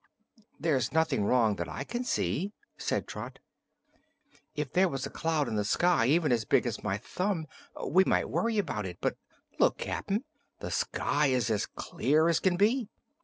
"There's nothing wrong that I can see," said Trot. "If there was a cloud in the sky even as big as my thumb, we might worry about it; but look, Cap'n! the sky is as clear as can be."